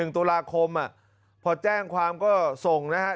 ๑ตุลาคมพอแจ้งความก็ส่งนะครับ